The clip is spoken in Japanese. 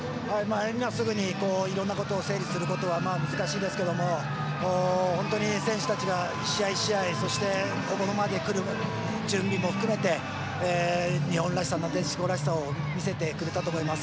今すぐにいろんなことを整理することは難しいですけど本当に選手たちが一試合、一試合、そしてこの場にくるまでに準備も含め日本らしさ、なでしこらしさを見せてくれたと思います。